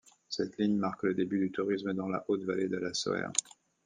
Cette ligne marque le début du tourisme dans la haute vallée de la Sauer.